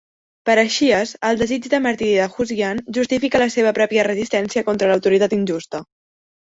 Per a Shias, el desig de martiri de Husayn justifica la seva pròpia resistència contra l'autoritat injusta.